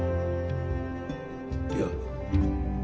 いや。